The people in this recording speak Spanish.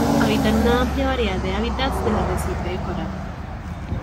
Habitan una amplia variedad de hábitats del arrecife de coral.